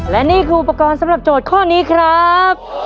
และนี่คืออุปกรณ์สำหรับโจทย์ข้อนี้ครับ